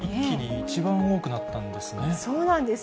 一気に一番多くなったんですそうなんです。